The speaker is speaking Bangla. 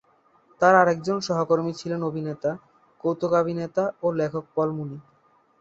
তার আরেকজন সহকর্মী ছিলেন অভিনেতা, কৌতুকাভিনেতা ও লেখক পল মুনি।